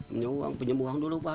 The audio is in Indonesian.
minjem uang dulu pak